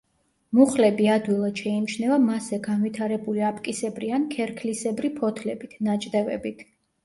მუხლები ადვილად შეიმჩნევა მასზე განვითარებული აპკისებრი ან ქერქლისებრი ფოთლებით, ნაჭდევებით.